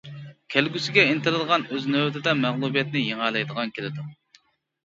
كەلگۈسىگە ئىنتىلىدىغان، ئۆز نۆۋىتىدە مەغلۇبىيەتنى يېڭەلەيدىغان كېلىدۇ.